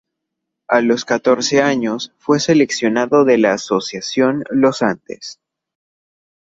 A los catorce años fue seleccionado de la Asociación Los Andes.